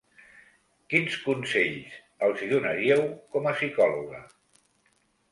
Quins consells els hi donaríeu com a psicòloga?